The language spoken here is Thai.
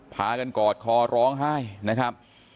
พากันกอดคอร้องไห้นะครับ